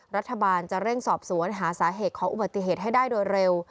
รัฐบาลจะเร่งสอบสวนหาสาเหตุของอุบัติเหตุให้ได้โดยเร็ว